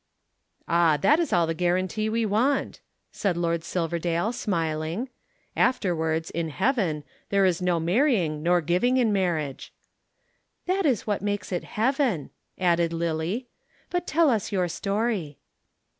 "Ah, that is all the guarantee we want," said Lord Silverdale smiling. "Afterwards in heaven there is no marrying, nor giving in marriage." "That is what makes it heaven," added Lillie. "But tell us your story."